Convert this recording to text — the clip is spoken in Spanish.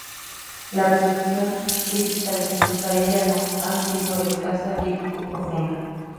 La recepción crítica de Jesús Arellano ha sido escasa y poco profunda.